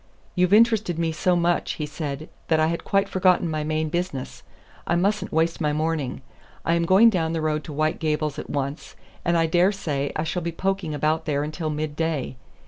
"You've interested me so much," he said, "that I had quite forgotten my main business. I mustn't waste my morning. I am going down the road to White Gables at once, and I dare say I shall be poking about there until mid day.